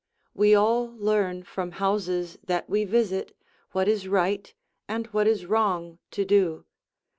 We all learn from houses that we visit what is right and what is wrong to do.